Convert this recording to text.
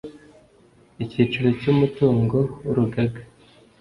Icyiciro cya umutungo w urugaga